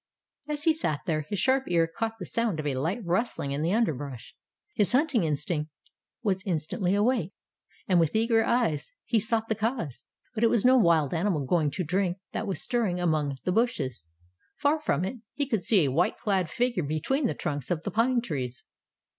As he sat there, his sharp ear caught the sound of a light rustling in the underbrush. His hunting instinct was instantly awake, and with eager eyes he sought the cause. But it was no wild animal going to drink that was stirring among the bushes. Far from it. He could see a white dad figure between the trunks of the pine trees.